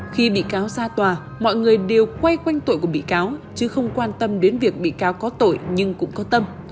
khi bị cáo ra tòa mọi người đều quay quanh tội của bị cáo chứ không quan tâm đến việc bị cáo có tội nhưng cũng có tâm